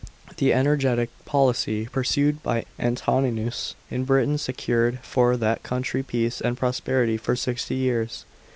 The energetic policy pursued by Antoninus in Britain secured for that country peace and prosperity for sixty years.